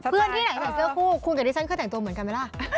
เพื่อนที่ไหนจะแต่งเสื้อคู่คุณบินรัฐฟ้าเขื่อแต่งตัวเหมือนกันไหมล่ะ